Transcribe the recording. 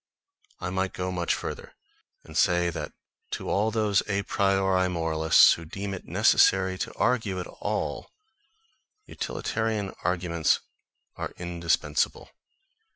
I might go much further, and say that to all those a priori moralists who deem it necessary to argue at all, utilitarian arguments are indispensable.